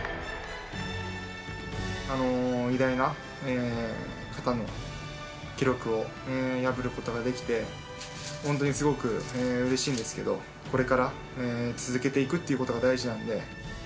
あの偉大な方の記録を破ることができて、本当にすごくうれしいんですけど、これから続けていくっていうことが大事なので。